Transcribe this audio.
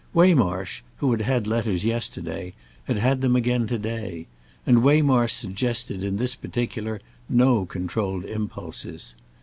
Waymarsh, who had had letters yesterday, had had them again to day, and Waymarsh suggested in this particular no controlled impulses.